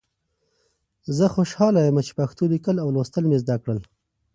زه خوشحاله یم چې پښتو لیکل او لوستل مې زده کړل.